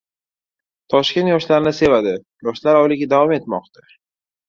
“Toshkent yoshlarni sevadi" yoshlar oyligi davom etmoqda